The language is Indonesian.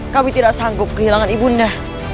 kami tidak sanggup kehilangan ibu bunda